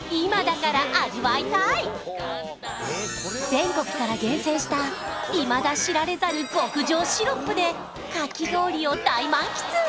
全国から厳選したいまだ知られざる極上シロップでかき氷を大満喫！